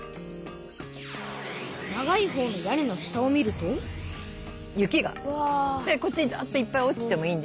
長いほうの屋根の下を見ると雪がこっちにダッといっぱい落ちてもいいんですよ。